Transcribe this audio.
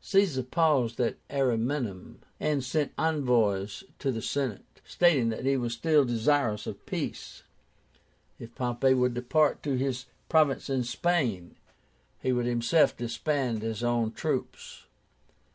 Caesar paused at Ariminum, and sent envoys to the Senate, stating that he was still desirous of peace. If Pompey would depart to his province in Spain, he would himself disband his own troops.